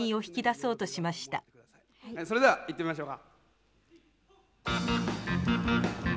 それではいってみましょうか。